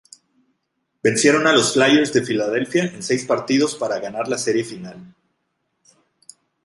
Vencieron a los Flyers de Filadelfia en seis partidos para ganar la serie final.